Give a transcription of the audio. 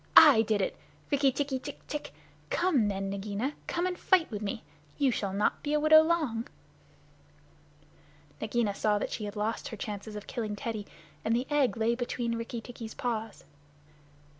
I did it! Rikki tikki tck tck! Come then, Nagaina. Come and fight with me. You shall not be a widow long." Nagaina saw that she had lost her chance of killing Teddy, and the egg lay between Rikki tikki's paws.